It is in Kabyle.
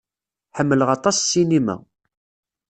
Ḥemmleɣ aṭas ssinima.